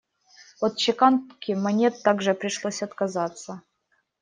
От чеканки монет также пришлось отказаться.